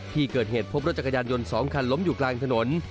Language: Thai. ที่เกิดเหตุพบรถจักรยานยนต์๒คันล้มอยู่กลางถนน